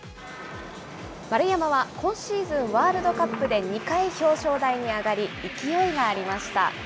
丸山は今シーズン、ワールドカップで２回表彰台に上がり、勢いがありました。